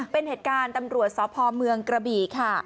เป็นเหตุการณ์ตำรวจสพเมืองกระบี่ค่ะ